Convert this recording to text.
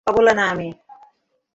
অবলা না আমি।